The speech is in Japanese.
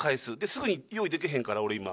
すぐに用意できへんから俺今。